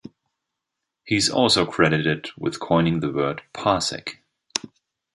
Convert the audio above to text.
He is also credited with coining the word "parsec".